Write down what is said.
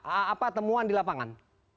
apa temuan di lapangan